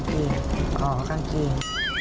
ขอกางกิน